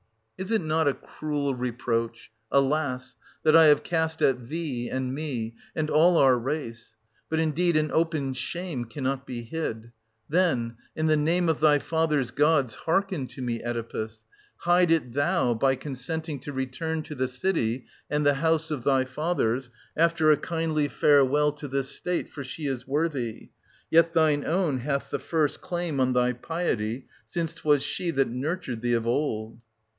Is it not a cruel reproach — alas !— that I have cast at thee, and me, and all our race? But indeed an open shame cannot be hid ; then — in the name of thy fathers' gods, hearken to me, Oedipus !— hide it thou, by con senting to return to the city and the house of thy fathers, after a kindly farewell to this State, — for she is worthy : yet thine own hath the first claim on thy piety, since 760 'twas she that nurtured thee of old.